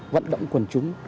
vận động quần chúng